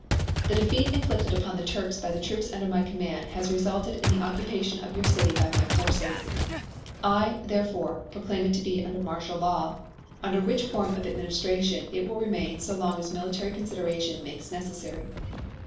The defeat inflicted upon the Turks by the troops under my command has resulted in the occupation of your city by my forces. I, therefore, proclaim it to be under martial law, under which form of administration it will remain so long as military consideration makes necessary.